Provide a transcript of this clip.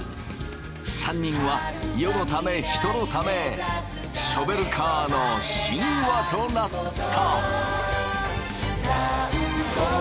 ３人は世のため人のためショベルカーの神話となった。